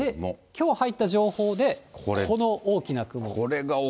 きょう入った情報で、この大きな雲。